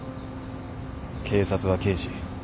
警察は刑事。